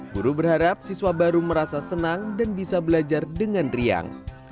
guru berharap siswa baru merasa senang dan bisa belajar dengan riang